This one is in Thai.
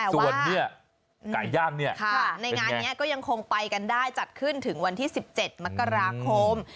ส่วนเนี่ยไก่ย่างเนี่ยในงานนี้ก็ยังคงไปกันได้จัดขึ้นถึงวันที่๑๗มกราคม